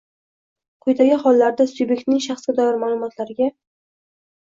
Quyidagi hollarda subyektning shaxsga doir ma’lumotlariga